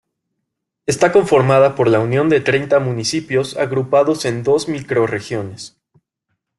Está conformada por la unión de treinta municipios agrupados en dos microrregiones.